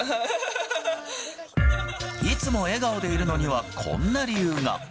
いつも笑顔でいるのにはこんな理由が。